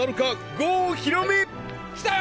郷ひろみ来たよ